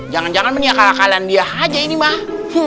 jangan jangan ini ya kalah kalahan dia aja ini mah